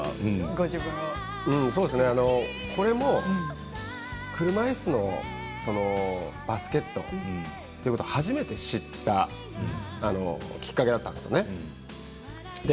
これも車いすのバスケットということを初めて知ったきっかけだったんですね。